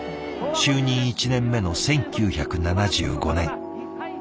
就任１年目の１９７５年鉄人